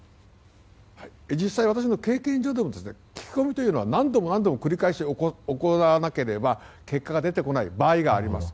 実際、私の経験上でも聞き込みは何度も何度も繰り返し行わなければ結果が出てこない場合があります。